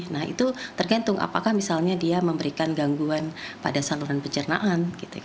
nah itu tergantung apakah misalnya dia memberikan gangguan pada saluran pencernaan